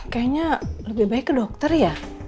kayaknya lebih baik ke dokter ya